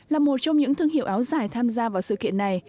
là một trong những thương hiệu áo dài tham gia vào sự kiện này